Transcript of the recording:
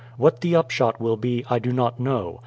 What the upshot will be, I do not know.